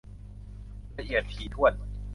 ละเอียดถี่ถ้วน